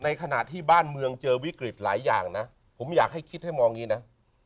ขณะที่บ้านเมืองเจอวิกฤตหลายอย่างนะผมอยากให้คิดให้มองอย่างนี้นะ